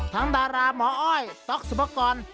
ดาราหมออ้อยต๊อกสุภกร